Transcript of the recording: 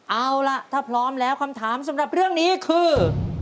เอาล่ะถ้าพร้อมแล้วคำถามสำหรับเรื่องนี้คือ